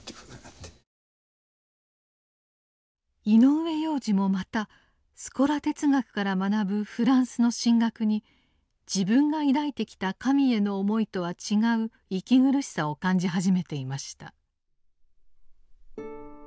井上洋治もまたスコラ哲学から学ぶフランスの神学に自分が抱いてきた神への思いとは違う息苦しさを感じ始めていました。